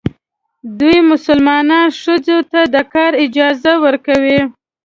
دوی مسلمانان ښځو ته د کار اجازه ورکوي.